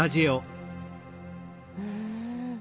うん。